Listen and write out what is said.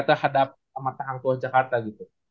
terhadap amartahang tua jakarta gitu